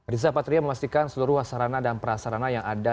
riza patria memastikan seluruh hasarana dan perasarana yang ada